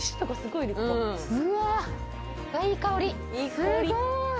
いい香り！